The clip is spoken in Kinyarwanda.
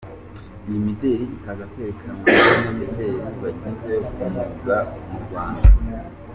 Iyi mideli ikaza kwerekanwa n’abanyamideli babigize umwuga mu Rwanda.